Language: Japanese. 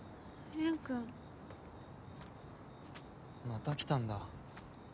また来たんだ。